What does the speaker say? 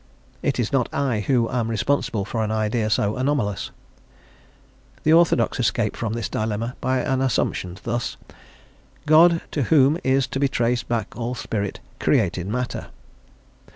It is not I who am responsible for an idea so anomalous. The orthodox escape from this dilemma by an assumption, thus: "God, to whom is to be traced back all spirit, created matter."